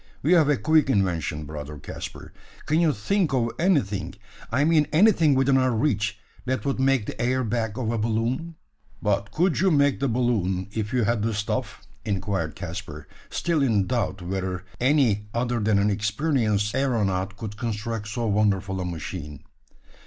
You have a quick invention, brother Caspar; can you think of anything I mean anything within our reach that would make the air bag of a balloon?" "But could you make the balloon, if you had the stuff?" inquired Caspar, still in doubt whether any other than an experienced aeronaut could construct so wonderful a machine.